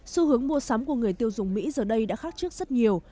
xu hướng mua sắm của người tiêu dùng mỹ giờ đây đã khác trước rất nhiều